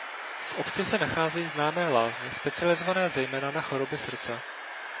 V obci se nacházejí známé lázně specializované zejména na choroby srdce.